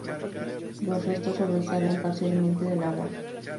Los restos sobresalen parcialmente del agua.